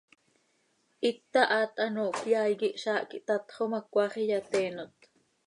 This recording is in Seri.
Hita haat hanoohcö yaai quih zaah quih tatxo ma, cmaax iyateenot.